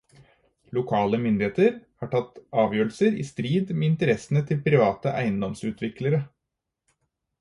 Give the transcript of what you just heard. Lokale myndigheter har tatt avgjørelser i strid med interessene til private eiendomsutviklere.